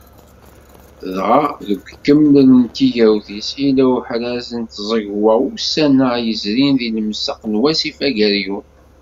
Dɣa, deg ukemmel n tigawt-is, yella uḥraz n tẓegwa ussan-a yezrin di lemsaq n wasif Ageryun.